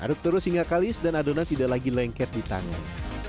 aduk terus hingga kalis dan adonan tidak lagi lengket di tangan